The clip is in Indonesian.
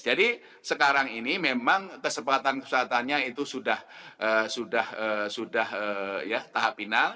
jadi sekarang ini memang kesempatan kesempatannya itu sudah tahap final